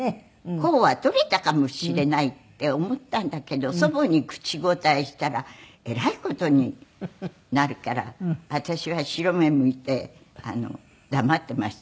甲は取れたかもしれないって思ったんだけど祖母に口答えしたらえらい事になるから私は白目むいて黙っていましたけどね。